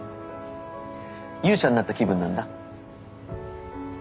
勇者になった気分なんだ。